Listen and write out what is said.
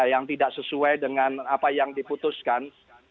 yang tidak sesuai dengan apa yang diputuskan